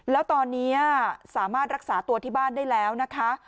แล้วตอนนี้สามารถรักษาตัวที่บ้านได้แล้วนะคะ